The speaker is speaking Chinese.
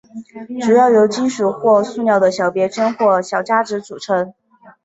主要由金属或塑料的小别针或小夹子组成。